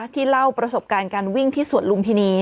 เล่าประสบการณ์การวิ่งที่สวนลุมพินี